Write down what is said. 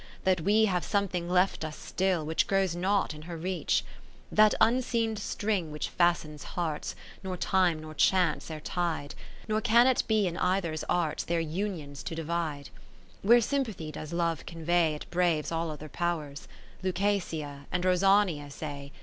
That we have something left us still Which grows not in her reach. V That unseen string which fastens hearts. Nor time, nor chance e'er tied, Nor can it be in cither's arts Their unions to divide. 20 VI Where sympathy does Love convey, It braves all other powers ; Lucasia, and Rosania, say.